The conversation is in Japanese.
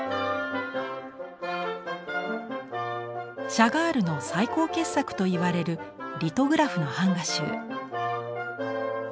シャガールの最高傑作といわれるリトグラフの版画集。